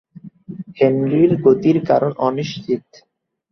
হেনরির গতির কারণ অনিশ্চিত।